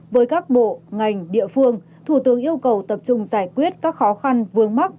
với các bộ ngành địa phương thủ tướng yêu cầu tập trung giải quyết các khó khăn vướng mắt